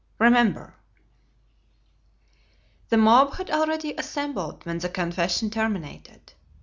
Remember! The mob had already assembled when the confession terminated.